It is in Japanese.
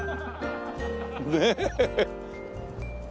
ねえ。